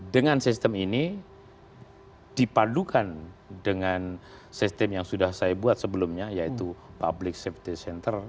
dengan sistem ini dipadukan dengan sistem yang sudah saya buat sebelumnya yaitu public safety center